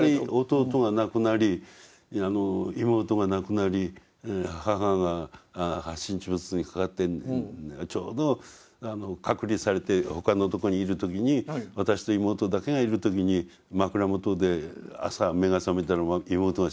弟が亡くなり妹が亡くなり母が発疹チブスにかかってちょうど隔離されて他のとこにいる時に私と妹だけがいる時に枕元で朝目が覚めたら妹が死んでたんですね。